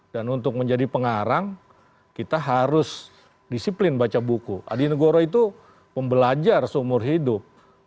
dan untuk menjadi pengarang kita harus disiplin baca buku adi negoro itu pembelajar seumur hidup